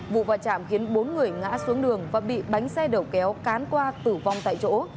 vụ va chạm khiến bốn người ngã xuống đường và bị bánh xe đầu kéo cán qua tử vong tại chỗ